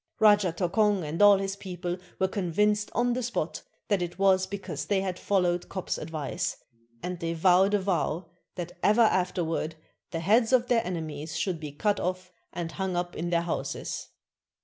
Rajah Tokong and all his people were convinced on the spot that it was because they had followed Kop's advice, and they vowed a vow that ever afterward the heads of their enemies should be cut off and hung up in their houses.